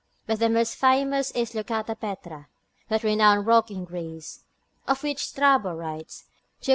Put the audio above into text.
But the most famous is Leucata Petra, that renowned rock in Greece, of which Strabo writes, Geog.